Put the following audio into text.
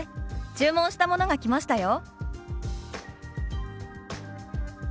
注文したものが来ましたよ」。